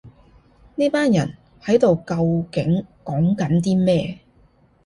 呢班人喺度究竟講緊啲咩